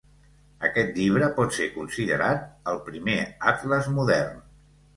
Aquest llibre pot ser considerat el primer atles modern.